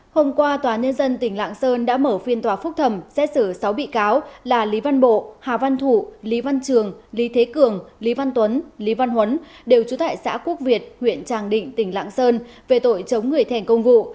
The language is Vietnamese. hôm qua tòa nhân dân tỉnh lạng sơn đã mở phiên tòa phúc thẩm xét xử sáu bị cáo là lý văn bộ hà văn thủ lý văn trường lý thế cường lý văn tuấn lý văn huấn đều trú tại xã quốc việt huyện tràng định tỉnh lạng sơn về tội chống người thi hành công vụ